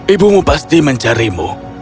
ibumu pasti mencarimu